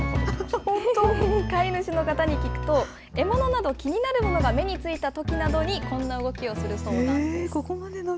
飼い主の方に聞くと、獲物など、気になるものが目についたときなどにこんな動きをするそうなんです。